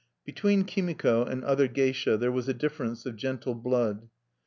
III Between Kimiko and other geisha there was a difference of gentle blood.